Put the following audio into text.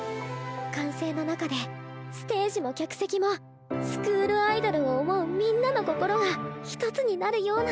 歓声の中でステージも客席もスクールアイドルを思うみんなの心が一つになるような。